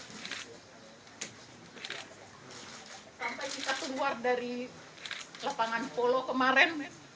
sampai kita keluar dari lapangan polo kemarin